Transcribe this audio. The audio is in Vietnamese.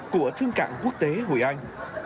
của thương cạn quốc tế hội an